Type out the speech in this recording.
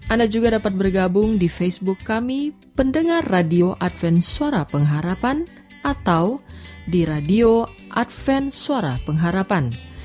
anda juga dapat bergabung di facebook kami pendengar radio adven suara pengharapan atau di radio adven suara pengharapan